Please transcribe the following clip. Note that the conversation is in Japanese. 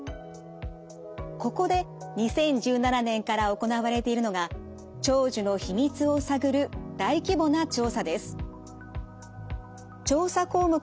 ここで２０１７年から行われているのが長寿の秘密を探る大規模な調査です。